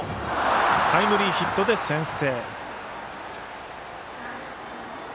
タイムリーヒットで先制。